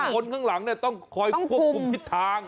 คนข้างหลังต้องคอยควบคุมทิศทาง